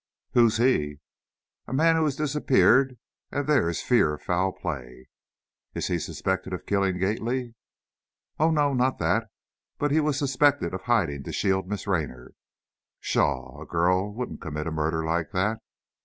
"Who's he?" "A man who has disappeared, and there is fear of foul play." "Is he suspected of killing Gately?" "Oh, no, not that; but he was suspected of hiding to shield Miss Raynor " "Pshaw! a girl wouldn't commit a murder like that."